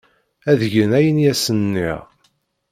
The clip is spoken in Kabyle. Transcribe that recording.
Ad gen ayen i asen-nniɣ.